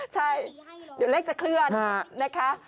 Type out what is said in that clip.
ใช่เดี๋ยวเลขจะเคลื่อนนะคะ